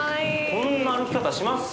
こんな歩き方します？